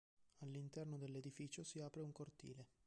All'interno dell'edificio si apre un cortile.